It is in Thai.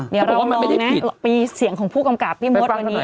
เดี๋ยวเราไปดูนะปีเสียงของผู้กำกับพี่มดวันนี้